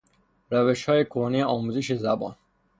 روشهای کهنهی آموزش زبان